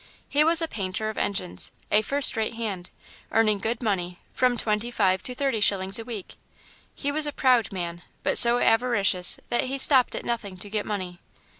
He was a painter of engines, a first rate hand, earning good money, from twenty five to thirty shillings a week. He was a proud man, but so avaricious that he stopped at nothing to get money.